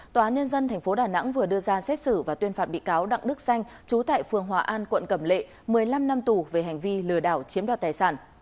tòa án nhân dân tp đà nẵng vừa đưa ra xét xử và tuyên phạt bị cáo đặng đức xanh trú tại phường hòa an quận cẩm lệ một mươi năm năm tù về hành vi lừa đảo chiếm đoạt tài sản